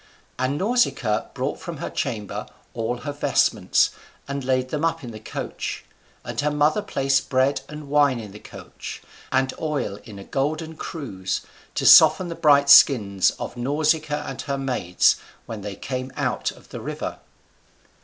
And Nausicaa brought from her chamber all her vestments, and laid them up in the coach, and her mother placed bread and wine in the coach, and oil in a golden cruse, to soften the bright skins of Nausicaa and her maids when they came out of the river.